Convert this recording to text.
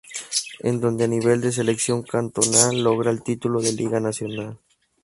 En donde a nivel de selección cantonal logra el título de Liga Nacional.